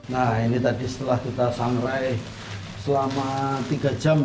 nah ini tadi setelah kita sangrai selama tiga jam